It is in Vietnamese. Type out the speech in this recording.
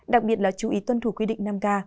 đặc biệt là chú ý tuân thủ quy định năm k